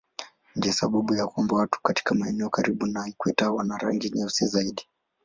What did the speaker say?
Ndiyo sababu ya kwamba watu katika maeneo karibu na ikweta wana rangi nyeusi zaidi.